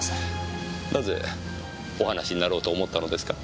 なぜお話しになろうと思ったのですか？